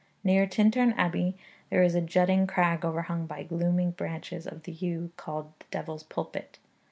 Near Tintern Abbey there is a jutting crag overhung by gloomy branches of the yew, called the Devil's Pulpit.